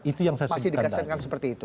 itu yang saya sebutkan tadi